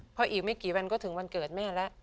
เพราะอีกไม่กี่วันก็ถึงวันเกิดแม่แล้ว